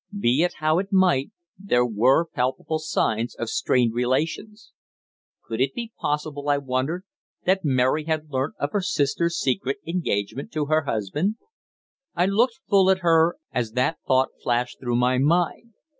Be it how it might, there were palpable signs of strained relations. Could it be possible, I wondered, that Mary had learnt of her sister's secret engagement to her husband? I looked full at her as that thought flashed through my mind.